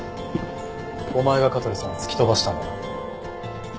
お前が香取さんを突き飛ばしたんだな。